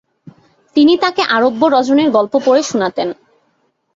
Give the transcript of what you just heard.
তিনি তাকে আরব্য রজনীর গল্প পড়ে শুনাতেন।